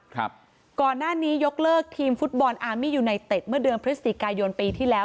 ก่อนหน้านี้ยกเลิกทีมฟุตบอลอาร์มี่ยูไนเต็ดเมื่อเดือนพฤศจิกายนปีที่แล้ว